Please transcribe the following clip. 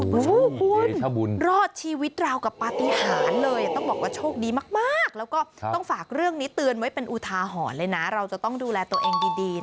พุกอาชีพสติและสำคัญมากความปลอดภัยดูแลตัวเองดี